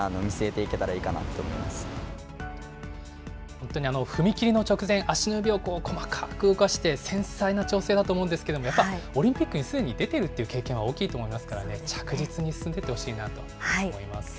本当に踏み切りの直前、足の指を細かく動かして、繊細な調整だと思うんですけれども、やっぱりオリンピックにすでに出てるって経験は大きいと思いますからね、着実に進んでいってほしいなと思います。